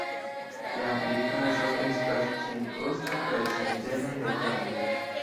La aplikaĵo estas senkosta kaj sen ĝenaj reklamoj.